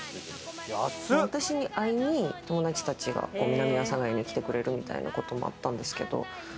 私に会いに友達たちが南阿佐ヶ谷に来てくれるみたいなこともあったんですけど。